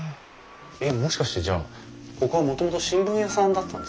えっもしかしてじゃあここはもともと新聞屋さんだったんですか？